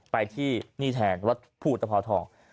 ไปที่นี่แทนวัดภูตภาวทอง